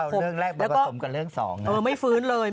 สรุปแล้วเรื่องแรกมาประสมกับเรื่องสอง